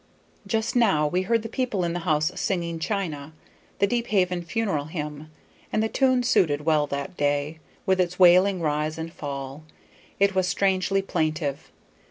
Just now we heard the people in the house singing "China," the Deephaven funeral hymn, and the tune suited well that day, with its wailing rise and fall; it was strangely plaintive.